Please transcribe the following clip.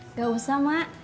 nggak usah mak